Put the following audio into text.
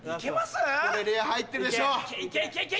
これレア入ってるでしょう！